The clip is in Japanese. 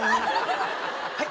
はい？